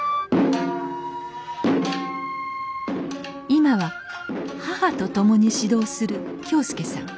今は母と共に指導する恭将さん。